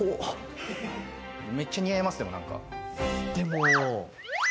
めっちゃ似合いますね、何か。